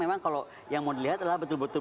memang kalau yang mau dilihat adalah betul betul